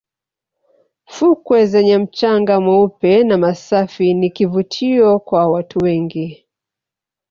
fukwe zenye mchanga mweupe na masafi ni kivutio kwa watu wengi